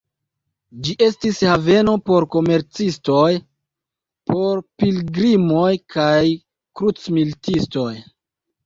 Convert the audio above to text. Ĝi estis haveno por komercistoj, por pilgrimoj kaj krucmilitistoj.